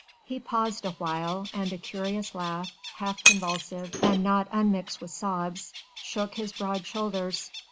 He paused awhile and a curious laugh half convulsive and not unmixed with sobs shook his broad shoulders.